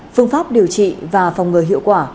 phương pháp điều trị và phòng ngừa hiệu quả